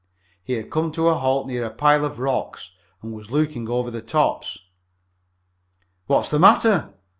He had come to a halt near a pile of rocks and was looking over the tops. "What's the matter?"